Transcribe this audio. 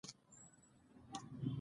د دې چارې پايلې به د فيمينزم